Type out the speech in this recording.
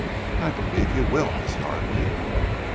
"I believe you will, Miss Yardely."